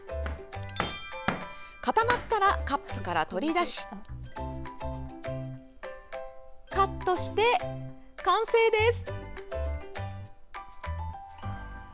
固まったらカップから取り出しカットして、完成です！